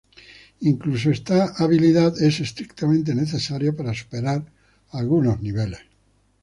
Incluso esta habilidad es estrictamente necesaria para superar algunos niveles.